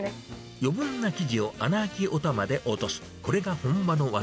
余分な生地を穴開きおたまで落とす、これが本場の技。